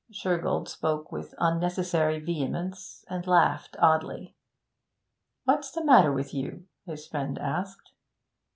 Shergold spoke with unnecessary vehemence and laughed oddly. 'What's the matter with you?' his friend asked.